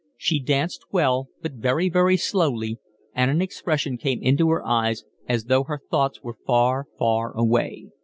She danced well, but very, very slowly, and an expression came into her eyes as though her thoughts were far, far away.